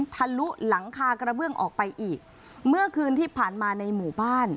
ทะลุหลังคากระเบื้องออกไปอีกเมื่อคืนที่ผ่านมาในหมู่บ้าน